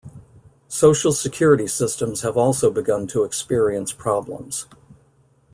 Social security systems have also begun to experience problems.